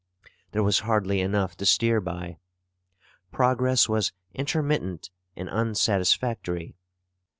There was hardly enough to steer by. Progress was intermittent and unsatisfactory.